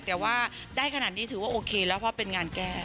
แต่ว่าได้ขนาดนี้ถือว่าโอเคแล้วเพราะเป็นงานแก้